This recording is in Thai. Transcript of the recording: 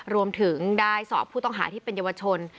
รวมถึงได้สอบผู้ต้องหาที่เป็นเยาวชน